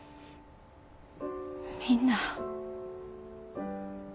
みんな。